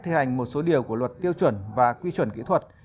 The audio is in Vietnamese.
thi hành một số điều của luật tiêu chuẩn và quy chuẩn kỹ thuật